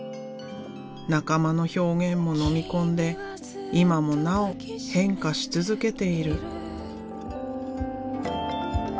仲間の表現ものみ込んで今もなお変化し続けている。